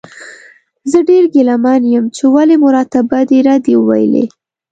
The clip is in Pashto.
زه ډېر ګیله من یم چې ولې مو راته بدې ردې وویلې.